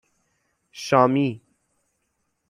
شامی